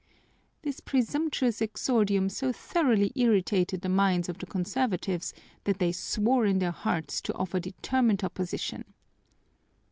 This presumptuous exordium so thoroughly irritated the minds of the conservatives that they swore in their hearts to offer determined opposition.